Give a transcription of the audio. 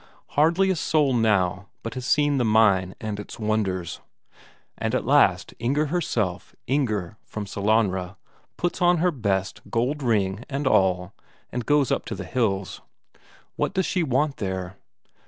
Hardly a soul now but has seen the mine and its wonders. And at last Inger herself, Inger from Sellanraa, puts on her best, gold ring and all, and goes up to the hills. What does she want there?